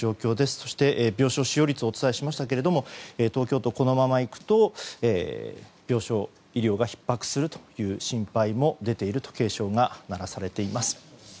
そして、病床使用率をお伝えしましたけども東京都、このままいくと病床、医療がひっ迫するという心配も出ていると警鐘が鳴らされています。